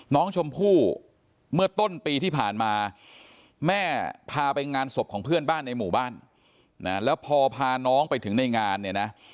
น้องชมพู่เมื่อต้นปีที่ผ่านมาแม่พาไปงานศพของเพื่อนบ้านในหมู่บ้านนะแล้วพอพาน้องไปถึงในงานเนี่ยนะ